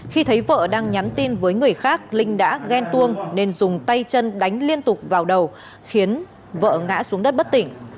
khi thấy vợ đang nhắn tin với người khác linh đã ghen tuông nên dùng tay chân đánh liên tục vào đầu khiến vợ ngã xuống đất bất tỉnh